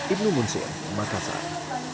ibnu munsyir makassar